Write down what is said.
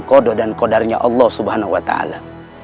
kodo dan kodarnya allah subhanahu wa ta'ala